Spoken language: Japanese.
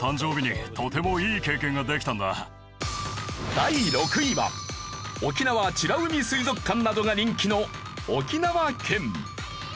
第６位は沖縄美ら海水族館などが人気の沖縄県。